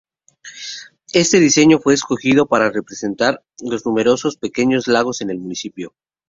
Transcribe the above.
Este diseño fue escogido para representar los numerosos pequeños lagos en el municipio.